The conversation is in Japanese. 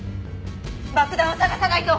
爆弾を探さないと！